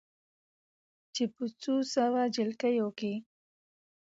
چې په څو سوو نجونو کې